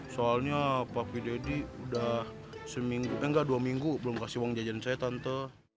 soalnya papi deddy udah seminggu eh enggak dua minggu belum kasih uang jajanan saya tante